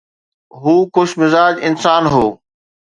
هو خوش مزاج انسان هو.